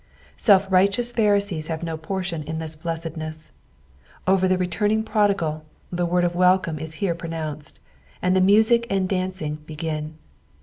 Self righteous Pharisees have no portion in this blessedneaa. Over the returning prodigal, the word of welcome is here pronounced, and the music and dancing begin.